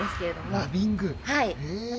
はい。